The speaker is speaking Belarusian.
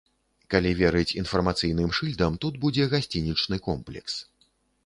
Калі верыць інфармацыйным шыльдам, тут будзе гасцінічны комплекс.